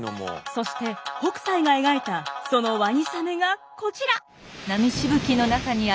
そして北斎が描いたそのわにさめがこちら。